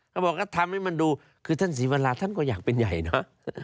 เขาบอกว่าทำให้มันดูคือท่านศรีวราท่านก็อยากเป็นใหญ่เนอะ